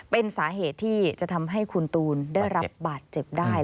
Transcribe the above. เป็นสาเหตุที่จะทำให้คุณตูนได้รับบาดเจ็บได้